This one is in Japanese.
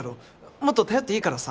もっと頼っていいからさ。